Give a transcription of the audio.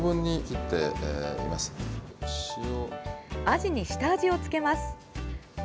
アジに下味をつけます。